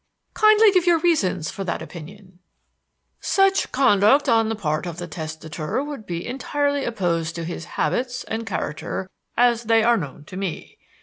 "Kindly give your reasons for that opinion." "Such conduct on the part of the testator would be entirely opposed to his habits and character as they are known to me.